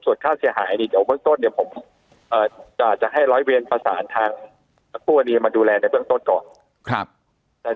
ส่วนค่าเสียหายในเบื้องต้นเนี่ยผมจะให้ร้อยเวียนประสานทางคู่กรณีมาดูแลในเบื้องต้นก่อน